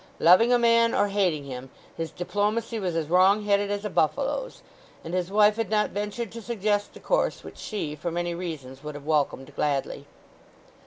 Loving a man or hating him, his diplomacy was as wrongheaded as a buffalo's; and his wife had not ventured to suggest the course which she, for many reasons, would have welcomed gladly.